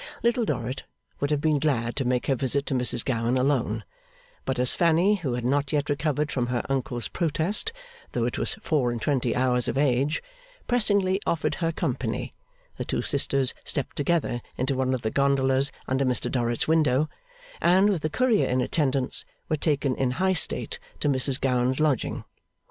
Little Dorrit would have been glad to make her visit to Mrs Gowan, alone; but as Fanny, who had not yet recovered from her Uncle's protest, though it was four and twenty hours of age, pressingly offered her company, the two sisters stepped together into one of the gondolas under Mr Dorrit's window, and, with the courier in attendance, were taken in high state to Mrs Gowan's lodging.